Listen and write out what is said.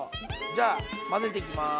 じゃあ混ぜていきます。